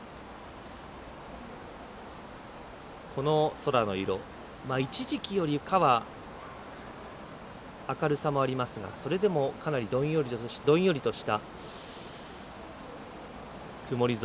空の色、一時期よりかは明るさもありますがそれでもかなりどんよりとした曇り空。